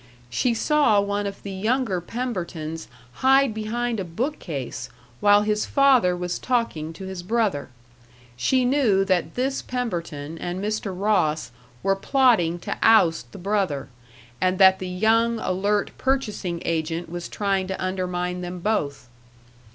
She saw one of the younger Pembertons hide behind a bookcase while his father was talking to his brother. She knew that this Pemberton and Mr. Ross were plotting to oust the brother, and that the young, alert purchasing agent was trying to undermine them both.